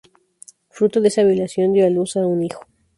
Fruto de esa violación dio a luz a un hijo.